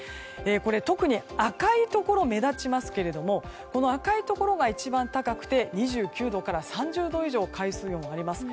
特に赤いところ、目立ちますが赤いところが一番高くて２９度から３０度以上海水温、上がります。